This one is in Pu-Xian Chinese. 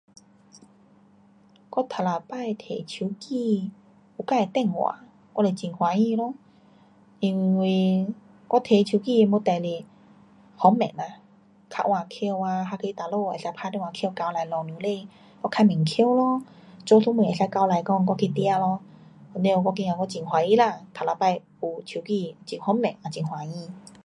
我第一次提手机有自的电话，会开心咯。因为我提手机的目的是方便啦。较晚回啊，还是去哪里能够打电话回交代老母亲我较慢回咯。做什么能够交代讲我去哪咯。完，我觉得我很欢喜啦。第一次有手机，很方便也很欢喜。